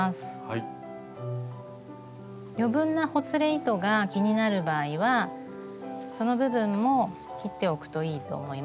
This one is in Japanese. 余分なほつれ糸が気になる場合はその部分も切っておくといいと思います。